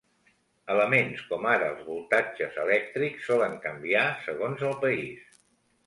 Elements com ara els voltatges elèctrics solen canviar segons el país.